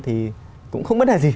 thì cũng không mất đại gì